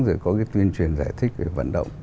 rồi có cái tuyên truyền giải thích về vận động